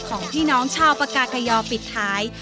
ของพี่น้องชาวปากากยอปิดท้าย